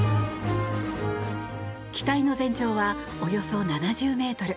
機体の全長はおよそ７０ｍ。